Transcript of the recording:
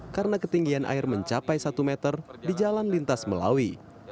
karena ketinggian air mencapai satu meter di jalan lintas melawi